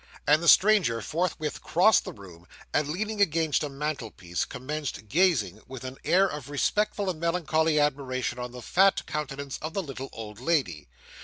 And the stranger forthwith crossed the room; and, leaning against a mantel piece, commenced gazing with an air of respectful and melancholy admiration on the fat countenance of the little old lady.